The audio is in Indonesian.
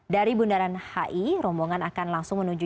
dari bundaran hi rombongan akan langsung menuju